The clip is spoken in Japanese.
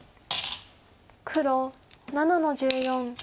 黒７の十四。